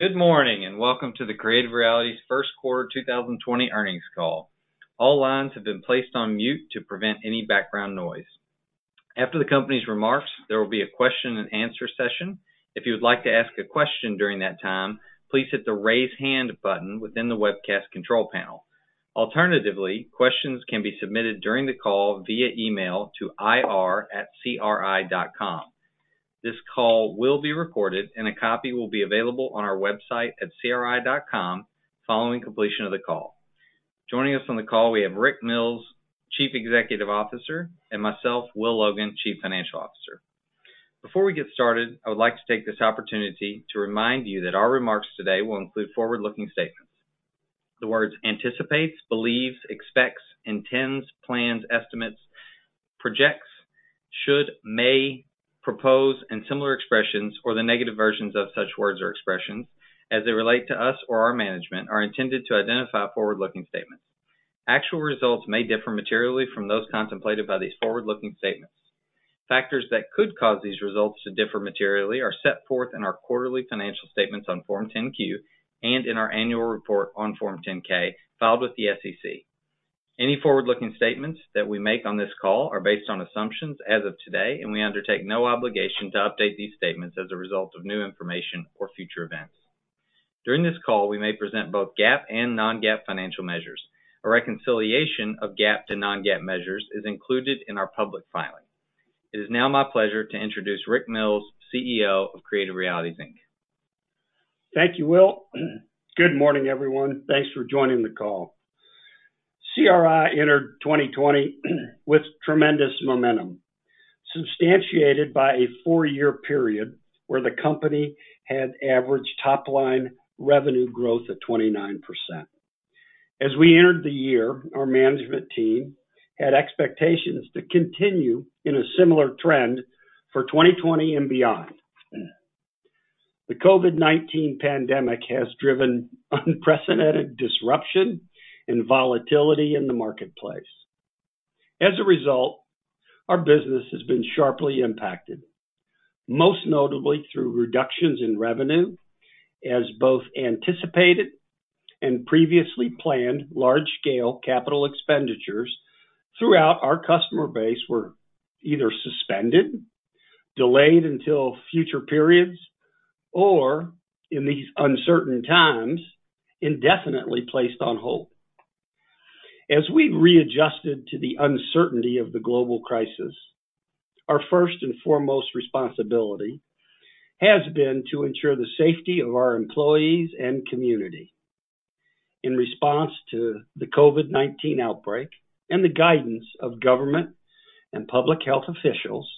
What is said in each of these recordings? Good morning, welcome to the Creative Realities first quarter 2020 earnings call. All lines have been placed on mute to prevent any background noise. After the company's remarks, there will be a question and answer session. If you would like to ask a question during that time, please hit the raise hand button within the webcast control panel. Alternatively, questions can be submitted during the call via email to ir@cri.com. This call will be recorded and a copy will be available on our website at cri.com following completion of the call. Joining us on the call, we have Rick Mills, Chief Executive Officer, and myself, Will Logan, Chief Financial Officer. Before we get started, I would like to take this opportunity to remind you that our remarks today will include forward-looking statements. The words anticipates, believes, expects, intends, plans, estimates, projects, should, may, propose, and similar expressions, or the negative versions of such words or expressions as they relate to us or our management, are intended to identify forward-looking statements. Actual results may differ materially from those contemplated by these forward-looking statements. Factors that could cause these results to differ materially are set forth in our quarterly financial statements on Form 10-Q and in our annual report on Form 10-K filed with the SEC. Any forward-looking statements that we make on this call are based on assumptions as of today, and we undertake no obligation to update these statements as a result of new information or future events. During this call, we may present both GAAP and non-GAAP financial measures. A reconciliation of GAAP to non-GAAP measures is included in our public filing. It is now my pleasure to introduce Rick Mills, CEO of Creative Realities, Inc. Thank you, Will. Good morning, everyone. Thanks for joining the call. CRI entered 2020 with tremendous momentum, substantiated by a four-year period where the company had average top-line revenue growth of 29%. As we entered the year, our management team had expectations to continue in a similar trend for 2020 and beyond. The COVID-19 pandemic has driven unprecedented disruption and volatility in the marketplace. As a result, our business has been sharply impacted, most notably through reductions in revenue as both anticipated and previously planned large-scale capital expenditures throughout our customer base were either suspended, delayed until future periods, or in these uncertain times, indefinitely placed on hold. As we've readjusted to the uncertainty of the global crisis, our first and foremost responsibility has been to ensure the safety of our employees and community. In response to the COVID-19 outbreak and the guidance of government and public health officials,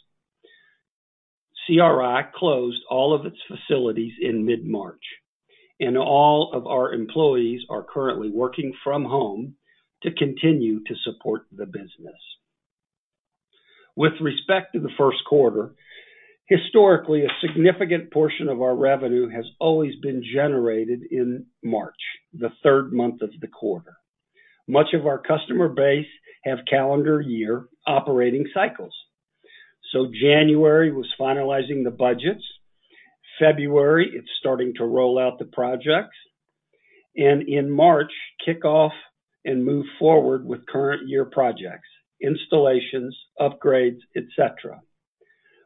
CRI closed all of its facilities in mid-March, and all of our employees are currently working from home to continue to support the business. With respect to the first quarter, historically, a significant portion of our revenue has always been generated in March, the third month of the quarter. Much of our customer base have calendar year operating cycles. January was finalizing the budgets. February, it's starting to roll out the projects. In March, kick off and move forward with current year projects, installations, upgrades, et cetera.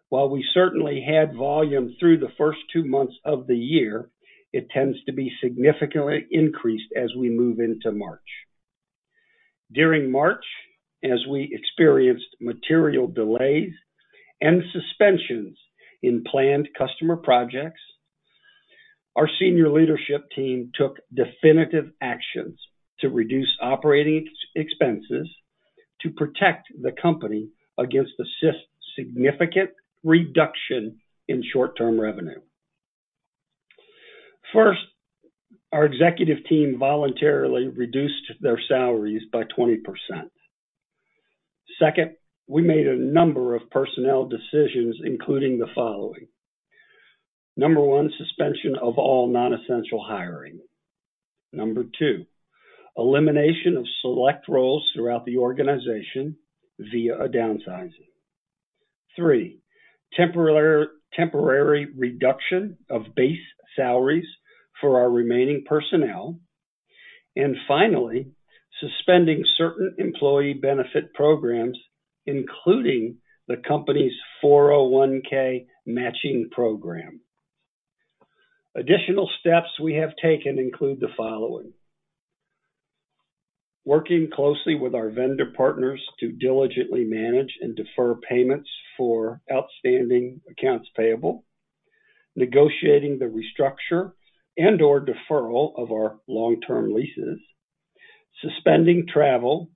While we certainly had volume through the first two months of the year, it tends to be significantly increased as we move into March. During March, as we experienced material delays and suspensions in planned customer projects, our senior leadership team took definitive actions to reduce operating expenses to protect the company against a significant reduction in short-term revenue. First, our executive team voluntarily reduced their salaries by 20%. Second, we made a number of personnel decisions, including the following. Number 1, suspension of all non-essential hiring. Number 2, elimination of select roles throughout the organization via a downsizing. 3, temporary reduction of base salaries for our remaining personnel. And finally, suspending certain employee benefit programs, including the company's 401(k) matching program. Additional steps we have taken include the following. Working closely with our vendor partners to diligently manage and defer payments for outstanding accounts payable, negotiating the restructure and/or deferral of our long-term leases, suspending travel,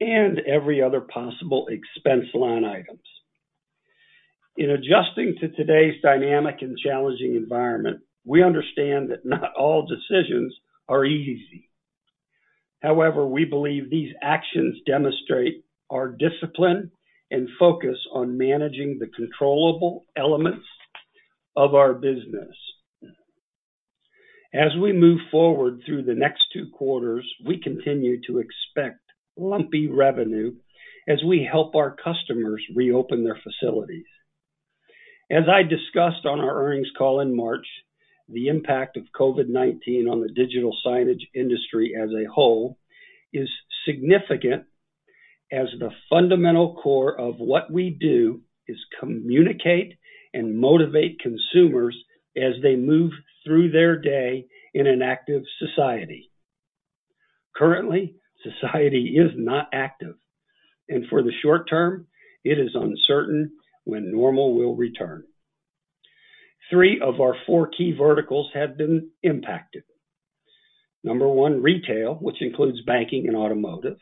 and every other possible expense line items. In adjusting to today's dynamic and challenging environment, we understand that not all decisions are easy. However, we believe these actions demonstrate our discipline and focus on managing the controllable elements of our business. As we move forward through the next two quarters, we continue to expect lumpy revenue as we help our customers reopen their facilities. As I discussed on our earnings call in March, the impact of COVID-19 on the digital signage industry as a whole is significant, as the fundamental core of what we do is communicate and motivate consumers as they move through their day in an active society. Currently, society is not active, and for the short term, it is uncertain when normal will return. 3 of our 4 key verticals have been impacted. Number 1, retail, which includes banking and automotive.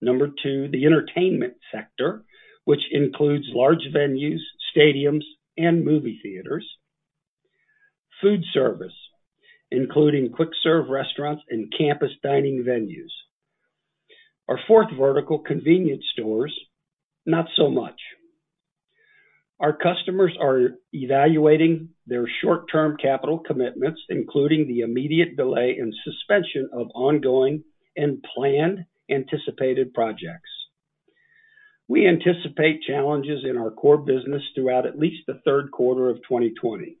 Number 2, the entertainment sector, which includes large venues, stadiums, and movie theaters. Food service, including quick-serve restaurants and campus dining venues. Our fourth vertical, convenience stores, not so much. Our customers are evaluating their short-term capital commitments, including the immediate delay and suspension of ongoing and planned anticipated projects. We anticipate challenges in our core business throughout at least the third quarter of 2020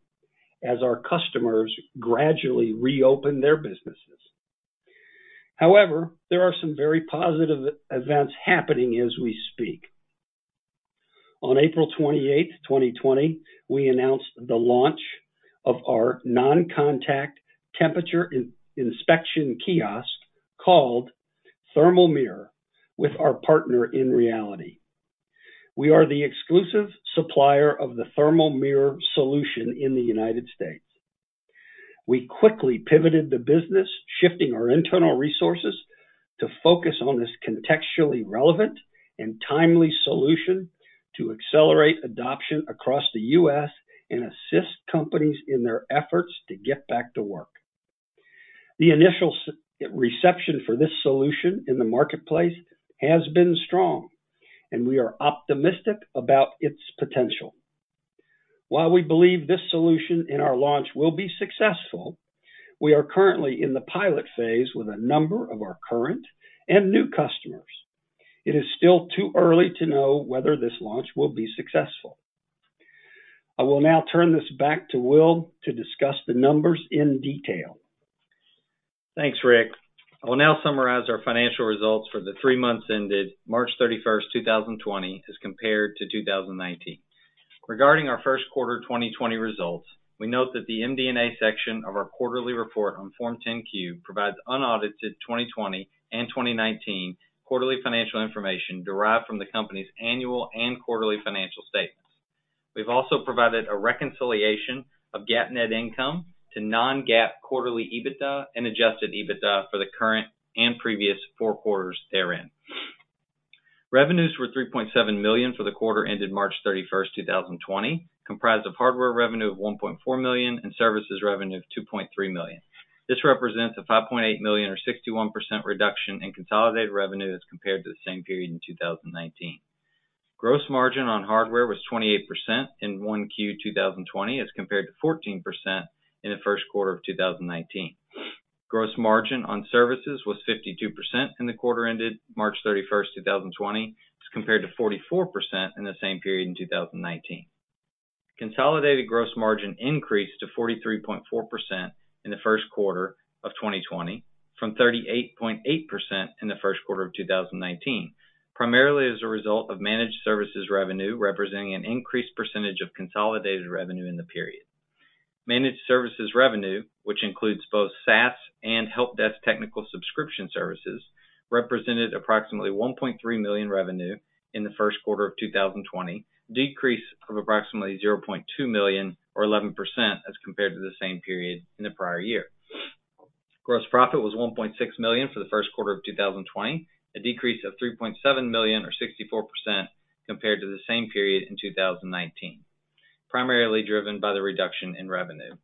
as our customers gradually reopen their businesses. However, there are some very positive events happening as we speak. On April 28th, 2020, we announced the launch of our non-contact temperature inspection kiosk called Thermal Mirror with our partner, InReality. We are the exclusive supplier of the Thermal Mirror solution in the United States. We quickly pivoted the business, shifting our internal resources to focus on this contextually relevant and timely solution to accelerate adoption across the U.S. and assist companies in their efforts to get back to work. The initial reception for this solution in the marketplace has been strong, and we are optimistic about its potential. While we believe this solution in our launch will be successful, we are currently in the pilot phase with a number of our current and new customers. It is still too early to know whether this launch will be successful. I will now turn this back to Will to discuss the numbers in detail. Thanks, Rick. I will now summarize our financial results for the three months ended March 31st, 2020 as compared to 2019. Regarding our first quarter 2020 results, we note that the MD&A section of our quarterly report on Form 10-Q provides unaudited 2020 and 2019 quarterly financial information derived from the company's annual and quarterly financial statements. We've also provided a reconciliation of GAAP net income to non-GAAP quarterly EBITDA and adjusted EBITDA for the current and previous four quarters therein. Revenues were $3.7 million for the quarter ended March 31st, 2020, comprised of hardware revenue of $1.4 million and services revenue of $2.3 million. This represents a $5.8 million or 61% reduction in consolidated revenue as compared to the same period in 2019. Gross margin on hardware was 28% in 1Q 2020 as compared to 14% in the first quarter of 2019. Gross margin on services was 52% in the quarter ended March 31st, 2020 as compared to 44% in the same period in 2019. Consolidated gross margin increased to 43.4% in the first quarter of 2020 from 38.8% in the first quarter of 2019, primarily as a result of managed services revenue representing an increased percentage of consolidated revenue in the period. Managed services revenue, which includes both SaaS and help desk technical subscription services, represented approximately $1.3 million revenue in the first quarter of 2020, a decrease of approximately $0.2 million or 11% as compared to the same period in the prior year. Gross profit was $1.6 million for the first quarter of 2020, a decrease of $3.7 million or 64% compared to the same period in 2019, primarily driven by the reduction in revenue.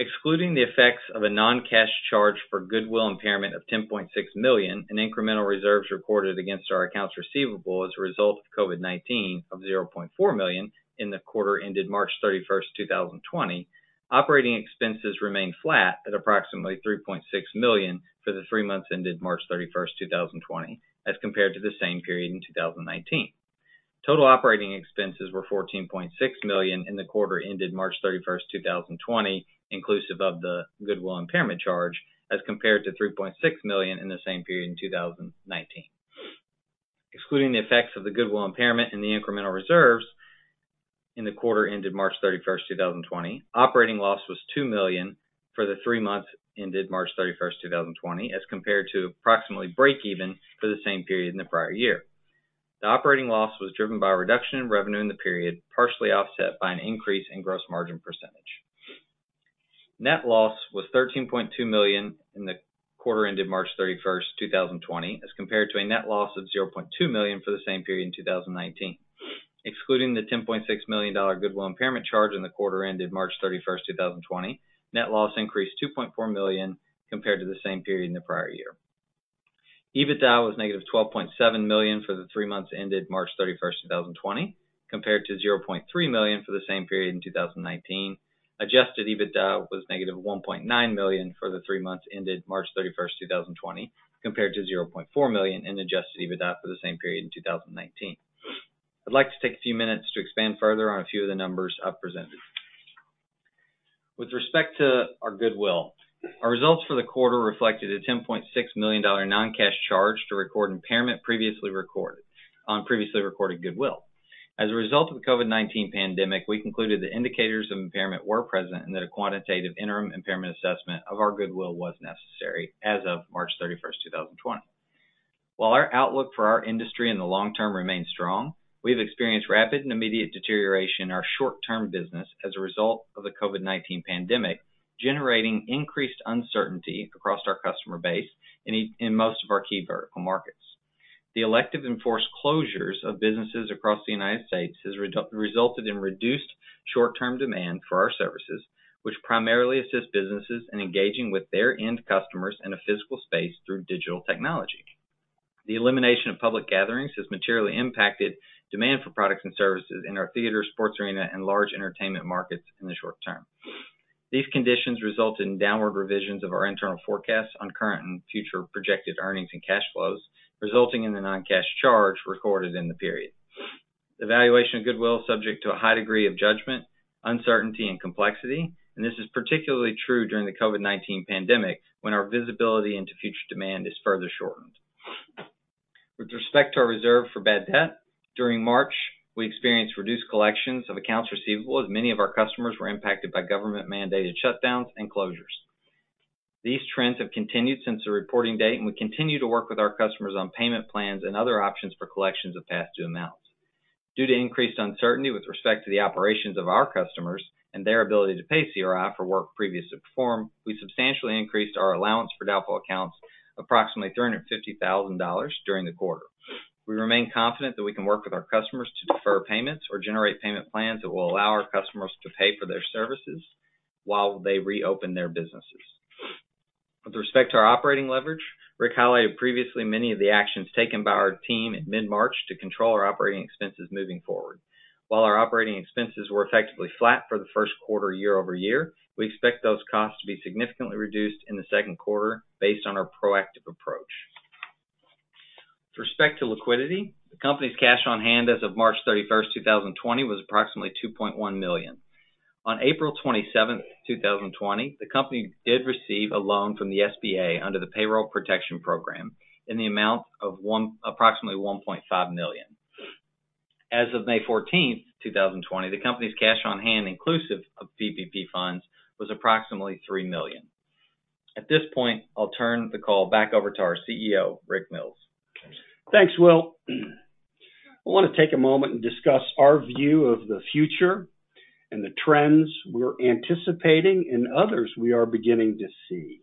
Excluding the effects of a non-cash charge for goodwill impairment of $10.6 million in incremental reserves recorded against our accounts receivable as a result of COVID-19 of $0.4 million in the quarter ended March 31st, 2020. Operating expenses remained flat at approximately $3.6 million for the three months ended March 31st, 2020 as compared to the same period in 2019. Total operating expenses were $14.6 million in the quarter ended March 31st, 2020 inclusive of the goodwill impairment charge as compared to $3.6 million in the same period in 2019. Excluding the effects of the goodwill impairment and the incremental reserves in the quarter ended March 31st, 2020, operating loss was $2 million for the three months ended March 31st, 2020 as compared to approximately break even for the same period in the prior year. The operating loss was driven by a reduction in revenue in the period, partially offset by an increase in gross margin %. Net loss was $13.2 million in the quarter ended March 31st, 2020 as compared to a net loss of $0.2 million for the same period in 2019. Excluding the $10.6 million goodwill impairment charge in the quarter ended March 31st, 2020, net loss increased $2.4 million compared to the same period in the prior year. EBITDA was negative $12.7 million for the three months ended March 31st, 2020, compared to $0.3 million for the same period in 2019. Adjusted EBITDA was negative $1.9 million for the three months ended March 31st, 2020, compared to $0.4 million in adjusted EBITDA for the same period in 2019. I'd like to take a few minutes to expand further on a few of the numbers I've presented. With respect to our goodwill, our results for the quarter reflected a $10.6 million non-cash charge to record impairment on previously recorded goodwill. As a result of the COVID-19 pandemic, we concluded the indicators of impairment were present, and that a quantitative interim impairment assessment of our goodwill was necessary as of March 31st, 2020. While our outlook for our industry in the long term remains strong, we've experienced rapid and immediate deterioration in our short-term business as a result of the COVID-19 pandemic, generating increased uncertainty across our customer base in most of our key vertical markets. The elective enforced closures of businesses across the United States has resulted in reduced short-term demand for our services, which primarily assist businesses in engaging with their end customers in a physical space through digital technology. The elimination of public gatherings has materially impacted demand for products and services in our theater, sports arena, and large entertainment markets in the short term. These conditions result in downward revisions of our internal forecasts on current and future projected earnings and cash flows, resulting in the non-cash charge recorded in the period. The valuation of goodwill subject to a high degree of judgment, uncertainty, and complexity, and this is particularly true during the COVID-19 pandemic, when our visibility into future demand is further shortened. With respect to our reserve for bad debt, during March, we experienced reduced collections of accounts receivable as many of our customers were impacted by government-mandated shutdowns and closures. These trends have continued since the reporting date, and we continue to work with our customers on payment plans and other options for collections of past due amounts. Due to increased uncertainty with respect to the operations of our customers and their ability to pay CRI for work previously performed, we substantially increased our allowance for doubtful accounts approximately $350,000 during the quarter. We remain confident that we can work with our customers to defer payments or generate payment plans that will allow our customers to pay for their services while they reopen their businesses. With respect to our operating leverage, Rick highlighted previously many of the actions taken by our team in mid-March to control our operating expenses moving forward. While our operating expenses were effectively flat for the first quarter year-over-year, we expect those costs to be significantly reduced in the second quarter based on our proactive approach. With respect to liquidity, the company's cash on hand as of March 31st, 2020, was approximately $2.1 million. On April 27th, 2020, the company did receive a loan from the SBA under the Paycheck Protection Program in the amount of approximately $1.5 million. As of May 14th, 2020, the company's cash on hand, inclusive of PPP funds, was approximately $3 million. At this point, I'll turn the call back over to our CEO, Rick Mills. Thanks, Will. I want to take a moment and discuss our view of the future and the trends we're anticipating and others we are beginning to see.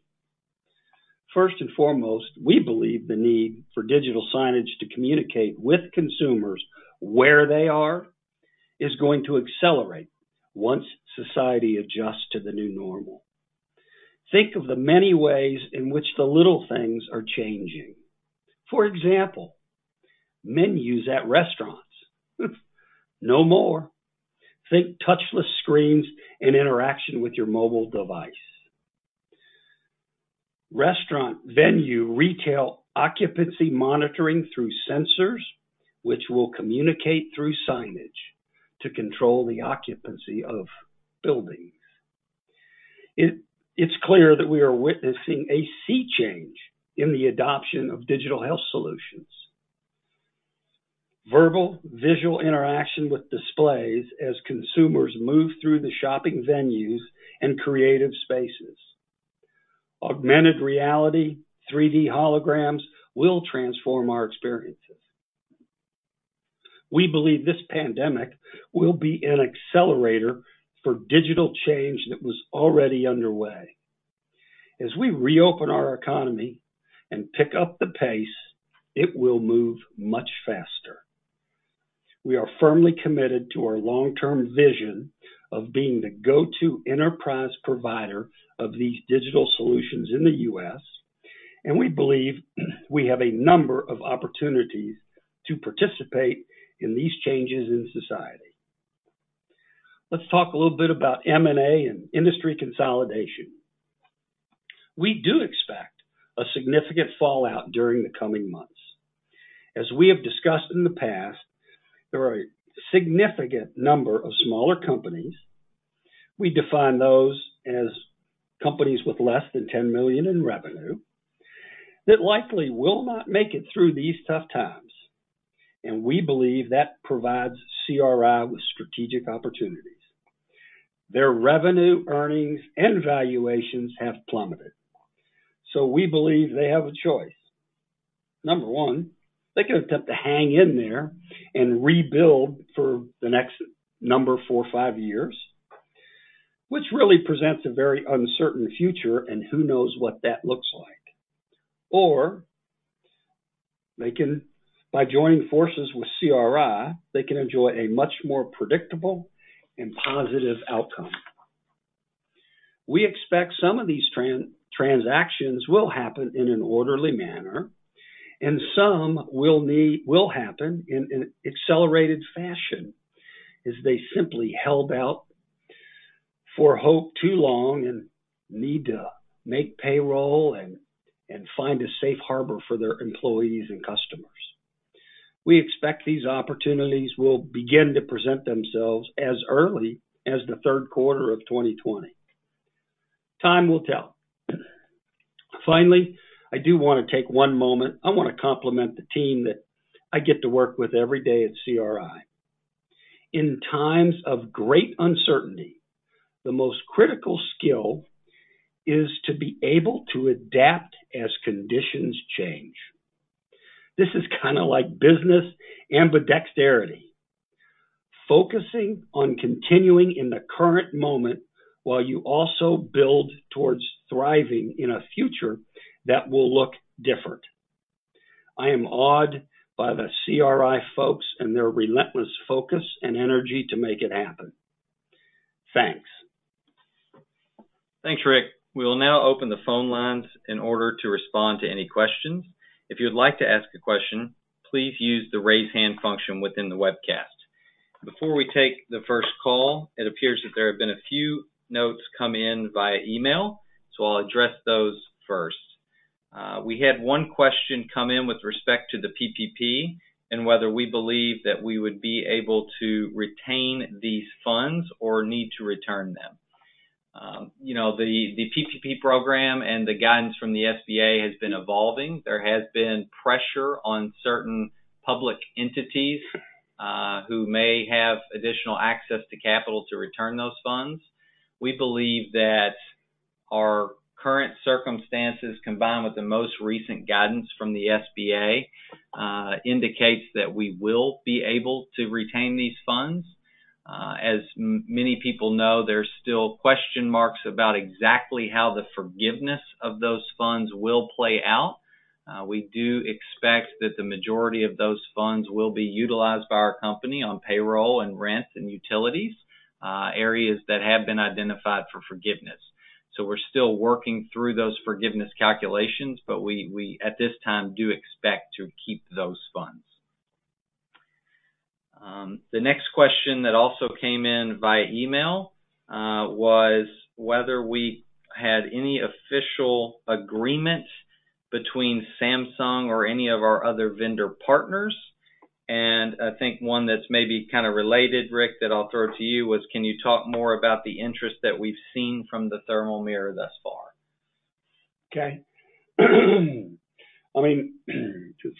First and foremost, we believe the need for digital signage to communicate with consumers where they are is going to accelerate once society adjusts to the new normal. Think of the many ways in which the little things are changing. For example, menus at restaurants, no more. Think touchless screens and interaction with your mobile device. Restaurant venue retail occupancy monitoring through sensors, which will communicate through signage to control the occupancy of buildings. It's clear that we are witnessing a sea change in the adoption of digital health solutions, verbal, visual interaction with displays as consumers move through the shopping venues and creative spaces. Augmented reality, 3D holograms will transform our experiences. We believe this pandemic will be an accelerator for digital change that was already underway. As we reopen our economy and pick up the pace, it will move much faster. We are firmly committed to our long-term vision of being the go-to enterprise provider of these digital solutions in the U.S., and we believe we have a number of opportunities to participate in these changes in society. Let's talk a little bit about M&A and industry consolidation. We do expect a significant fallout during the coming months. As we have discussed in the past, there are a significant number of smaller companies, we define those as companies with less than $10 million in revenue, that likely will not make it through these tough times. We believe that provides CRI with strategic opportunities. Their revenue, earnings, and valuations have plummeted. We believe they have a choice. Number one, they can attempt to hang in there and rebuild for the next number four, five years, which really presents a very uncertain future, and who knows what that looks like. By joining forces with CRI, they can enjoy a much more predictable and positive outcome. We expect some of these transactions will happen in an orderly manner, and some will happen in an accelerated fashion as they simply held out for hope too long and need to make payroll and find a safe harbor for their employees and customers. We expect these opportunities will begin to present themselves as early as the third quarter of 2020. Time will tell. Finally, I do want to take one moment. I want to compliment the team that I get to work with every day at CRI. In times of great uncertainty, the most critical skill is to be able to adapt as conditions change. This is kind of like business ambidexterity, focusing on continuing in the current moment while you also build towards thriving in a future that will look different. I am awed by the CRI folks and their relentless focus and energy to make it happen. Thanks. Thanks, Rick. We will now open the phone lines in order to respond to any questions. If you would like to ask a question, please use the raise hand function within the webcast. Before we take the first call, it appears that there have been a few notes come in via email, so I'll address those first. We had one question come in with respect to the PPP and whether we believe that we would be able to retain these funds or need to return them. The PPP program and the guidance from the SBA has been evolving. There has been pressure on certain public entities who may have additional access to capital to return those funds. We believe that our current circumstances, combined with the most recent guidance from the SBA, indicates that we will be able to retain these funds. As many people know, there's still question marks about exactly how the forgiveness of those funds will play out. We do expect that the majority of those funds will be utilized by our company on payroll and rent and utilities, areas that have been identified for forgiveness. We're still working through those forgiveness calculations, but we, at this time, do expect to keep those funds. The next question that also came in via email was whether we had any official agreement between Samsung or any of our other vendor partners. I think one that's maybe kind of related, Rick, that I'll throw to you was, can you talk more about the interest that we've seen from the Thermal Mirror thus far? Okay.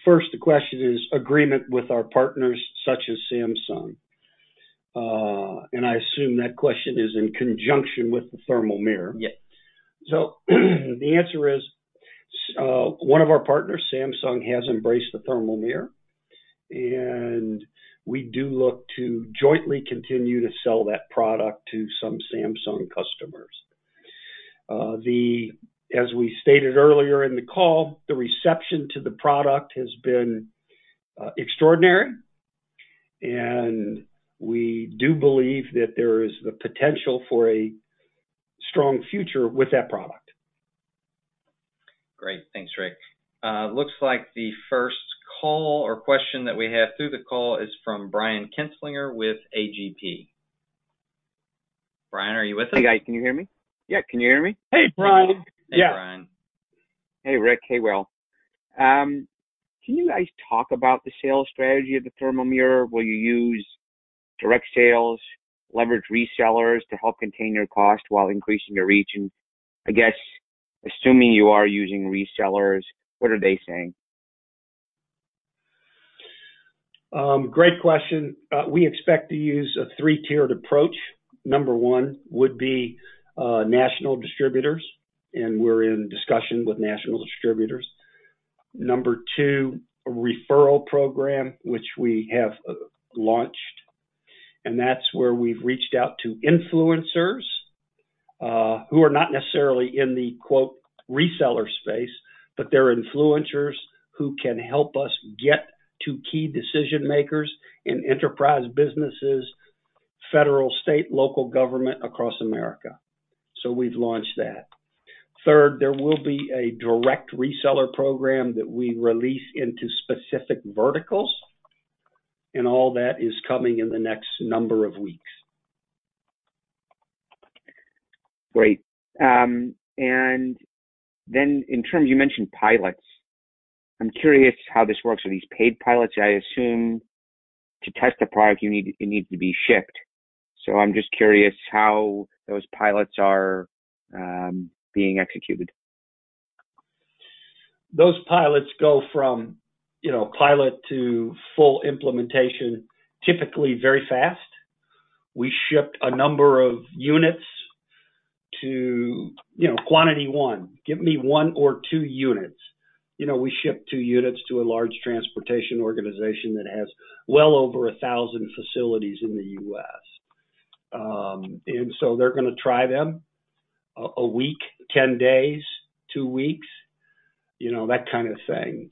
First, the question is agreement with our partners such as Samsung. I assume that question is in conjunction with the Thermal Mirror. Yes. The answer is, one of our partners, Samsung, has embraced the Thermal Mirror, and we do look to jointly continue to sell that product to some Samsung customers. As we stated earlier in the call, the reception to the product has been extraordinary, and we do believe that there is the potential for a strong future with that product. Great. Thanks, Rick. Looks like the first call or question that we have through the call is from Brian Kinstlinger with A.G.P. Brian, are you with us? Hey, guys. Can you hear me? Yeah, can you hear me? Hey, Brian. Hey, Brian. Hey, Rick. Hey, Will. Can you guys talk about the sales strategy of the Thermal Mirror? Will you use direct sales, leverage resellers to help contain your cost while increasing your reach? I guess, assuming you are using resellers, what are they saying? Great question. We expect to use a three-tiered approach. Number one would be national distributors, and we're in discussion with national distributors. Number two, a referral program which we have launched, and that's where we've reached out to influencers who are not necessarily in the, quote, "reseller space," but they're influencers who can help us get to key decision-makers in enterprise businesses, federal, state, local government across America. We've launched that. Third, there will be a direct reseller program that we release into specific verticals, and all that is coming in the next number of weeks. Great. You mentioned pilots. I'm curious how this works. Are these paid pilots? I assume to test a product, it needs to be shipped. I'm just curious how those pilots are being executed. Those pilots go from pilot to full implementation, typically very fast. We shipped a number of units to quantity one. Give me one or two units. We shipped two units to a large transportation organization that has well over 1,000 facilities in the U.S. they're going to try them a week, 10 days, two weeks that kind of thing.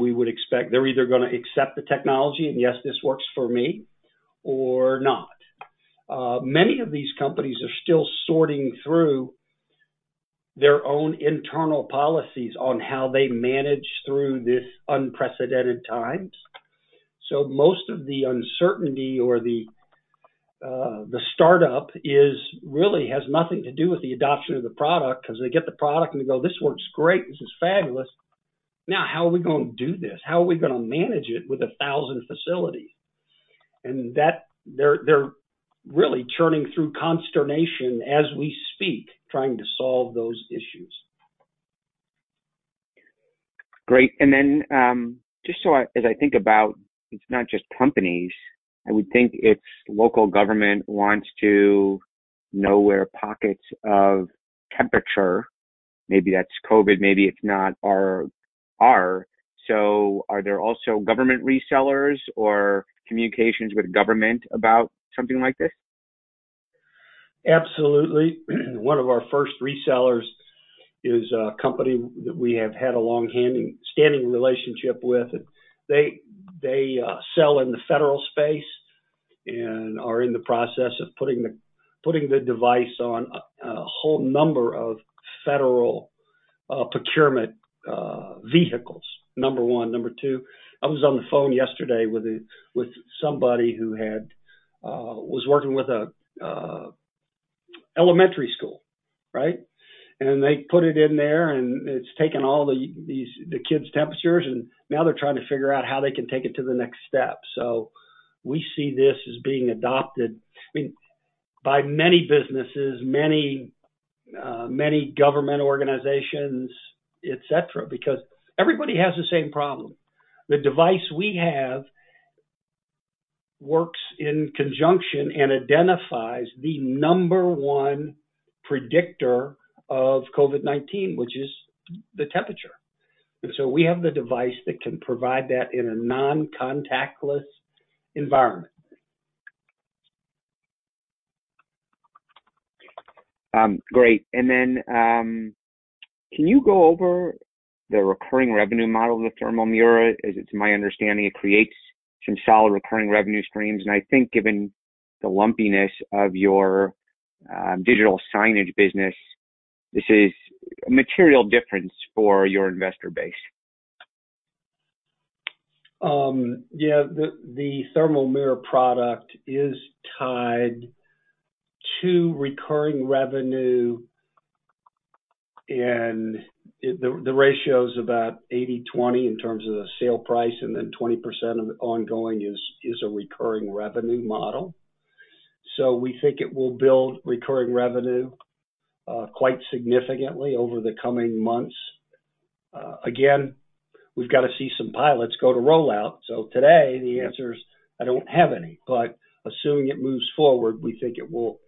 we would expect they're either going to accept the technology, and yes, this works for me, or not. Many of these companies are still sorting through their own internal policies on how they manage through this unprecedented times. most of the uncertainty or the startup really has nothing to do with the adoption of the product, because they get the product and they go, "This works great. This is fabulous. Now, how are we going to do this? How are we going to manage it with a thousand facilities?" They're really churning through consternation as we speak, trying to solve those issues. Great. as I think about it's not just companies, I would think it's local government wants to know where pockets of temperature, maybe that's COVID, maybe it's not, are. are there also government resellers or communications with government about something like this? Absolutely. One of our first resellers is a company that we have had a long-standing relationship with. They sell in the federal space and are in the process of putting the device on a whole number of federal procurement vehicles, number one. Number two, I was on the phone yesterday with somebody who was working with an elementary school. They put it in there, and it's taken all the kids' temperatures, and now they're trying to figure out how they can take it to the next step. We see this as being adopted by many businesses, many government organizations, et cetera, because everybody has the same problem. The device we have works in conjunction and identifies the number one predictor of COVID-19, which is the temperature. We have the device that can provide that in a non-contactless environment. Great. can you go over the recurring revenue model of the Thermal Mirror? As it's my understanding, it creates some solid recurring revenue streams, and I think given the lumpiness of your digital signage business, this is a material difference for your investor base. Yeah. The Thermal Mirror product is tied to recurring revenue, and the ratio is about 80/20 in terms of the sale price, and then 20% of it ongoing is a recurring revenue model. We think it will build recurring revenue quite significantly over the coming months. Again, we've got to see some pilots go to rollout. Today, the answer is, I don't have any, but assuming it moves forward, we think it will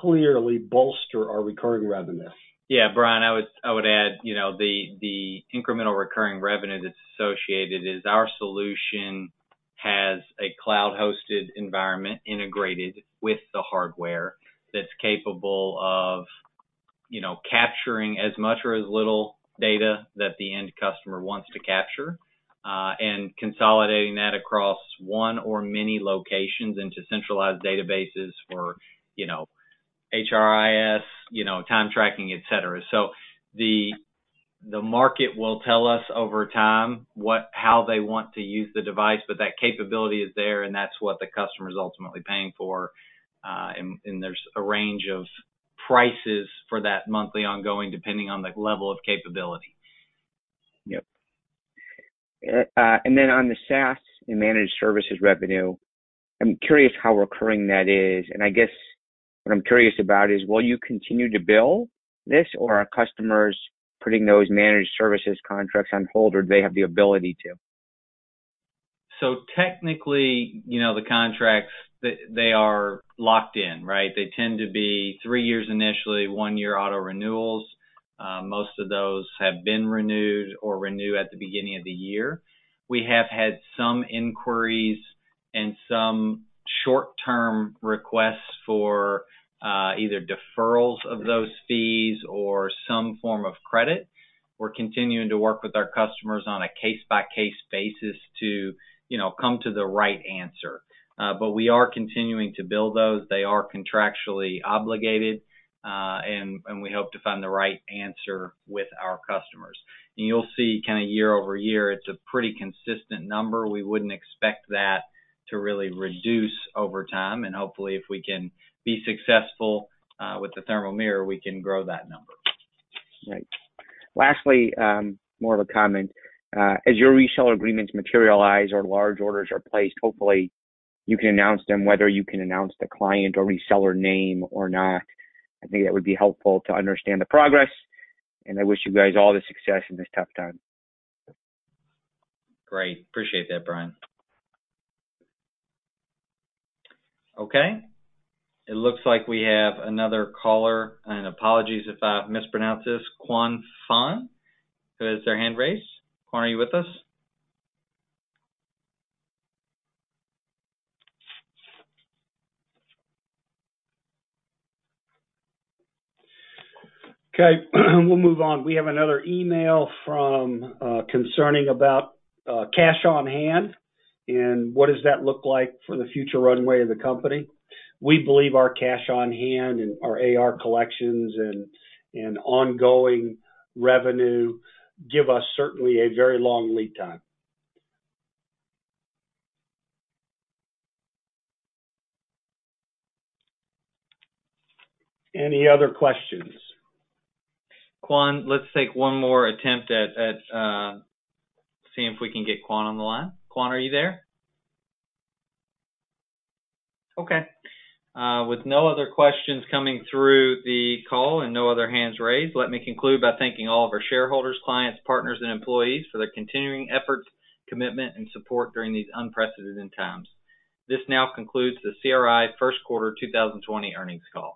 clearly bolster our recurring revenues. Yeah, Brian, I would add, the incremental recurring revenue that's associated is our solution has a cloud-hosted environment integrated with the hardware that's capable of capturing as much or as little data that the end customer wants to capture, and consolidating that across one or many locations into centralized databases for HRIS, time tracking, et cetera. The market will tell us over time how they want to use the device, but that capability is there, and that's what the customer is ultimately paying for. There's a range of prices for that monthly ongoing, depending on the level of capability. Yep. On the SaaS and managed services revenue, I'm curious how recurring that is, and I guess what I'm curious about is, will you continue to bill this, or are customers putting those managed services contracts on hold, or do they have the ability to? Technically, the contracts, they are locked in, right? They tend to be three years initially, one year auto renewals. Most of those have been renewed or renew at the beginning of the year. We have had some inquiries and some short-term requests for either deferrals of those fees or some form of credit. We're continuing to work with our customers on a case-by-case basis to come to the right answer. We are continuing to bill those. They are contractually obligated, and we hope to find the right answer with our customers. You'll see year-over-year, it's a pretty consistent number. We wouldn't expect that to really reduce over time, and hopefully, if we can be successful with the Thermal Mirror, we can grow that number. Right. Lastly, more of a comment. As your reseller agreements materialize or large orders are placed, hopefully you can announce them, whether you can announce the client or reseller name or not, I think that would be helpful to understand the progress, and I wish you guys all the success in this tough time. Great. Appreciate that, Brian. Okay. It looks like we have another caller, and apologies if I mispronounce this, Kwan Fung, who has their hand raised. Kwan, are you with us? Okay. We'll move on. We have another email concerning about cash on hand and what does that look like for the future runway of the company. We believe our cash on hand and our AR collections and ongoing revenue give us certainly a very long lead time. Any other questions? Kwan, let's take one more attempt at seeing if we can get Kwan on the line. Kwan, are you there? Okay. With no other questions coming through the call and no other hands raised, let me conclude by thanking all of our shareholders, clients, partners, and employees for their continuing efforts, commitment, and support during these unprecedented times. This now concludes the CRI first quarter 2020 earnings call.